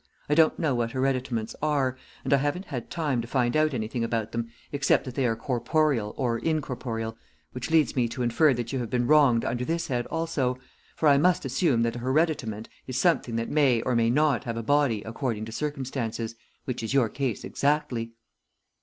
I don't know what hereditaments are, and I haven't had time to find out anything about them except that they are corporeal or incorporeal, which leads me to infer that you have been wronged under this head also, for I must assume that a hereditament is something that may or may not have a body according to circumstances, which is your case exactly.